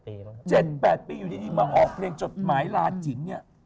๗๘ปีอยู่นี่มาออกเพลงจดหมายลาจิน